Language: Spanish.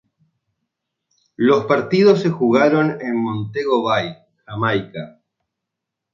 Los partidos se jugaron en Montego Bay, Jamaica.